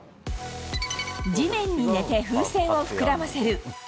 地面に寝て、風船を膨らませる。